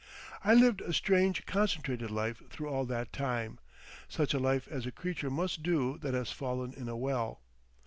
I lived a strange concentrated life through all that time, such a life as a creature must do that has fallen in a well.